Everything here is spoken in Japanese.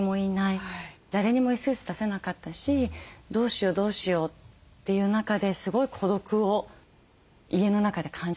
誰にもＳＯＳ出せなかったしどうしようどうしようっていう中ですごい孤独を家の中で感じてました。